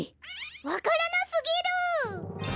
わからなすぎる！